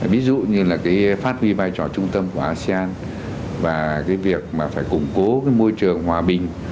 ví dụ như phát huy vai trò trung tâm của asean và việc phải củng cố môi trường hòa bình